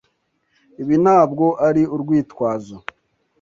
Ibi ntabwo ari urwitwazo.